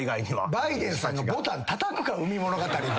バイデンさんがボタンたたくか『海物語』の。